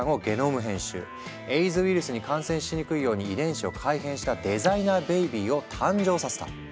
エイズウイルスに感染しにくいように遺伝子を改変したデザイナーベビーを誕生させた。